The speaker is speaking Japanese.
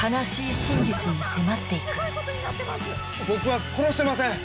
僕は殺してません！